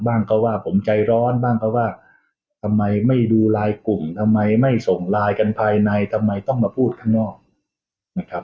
ว่าเขาว่าผมใจร้อนบ้างเขาว่าทำไมไม่ดูไลน์กลุ่มทำไมไม่ส่งไลน์กันภายในทำไมต้องมาพูดข้างนอกนะครับ